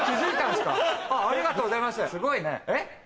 すごいねえ？